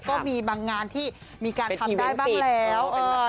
ก็มีบางงานที่มีการทำได้บ้างแล้ว